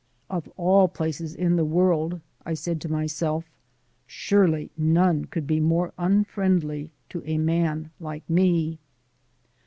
"Of all places in the world," I said to myself, "surely none could be more unfriendly to a man like me."